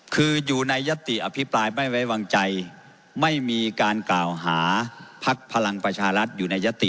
คืออยู่ในยติอภิปรายไม่ไว้วางใจไม่มีการกล่าวหาพักพลังประชารัฐอยู่ในยติ